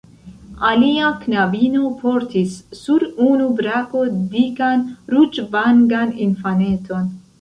Alia knabino portis sur unu brako dikan, ruĝvangan infaneton.